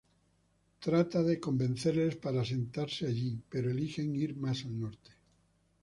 Él trata de convencerles para asentarse allí, pero eligen ir más al norte.